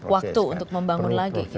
waktu untuk membangun lagi